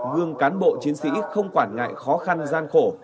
gương cán bộ chiến sĩ không quản ngại khó khăn gian khổ